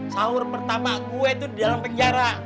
sahur pertama gue itu di dalam penjara